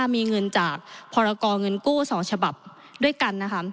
มีเงินจากพรกรเงินกู้๒ฉบับด้วยกันนะคะ